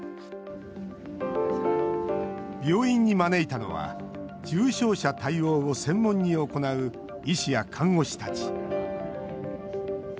病院に招いたのは重症者対応を専門に行う医師や看護師たち。